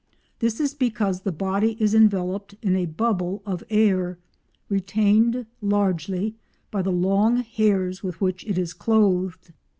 This is because the body is enveloped in a bubble of air, retained largely by the long hairs with which it is clothed.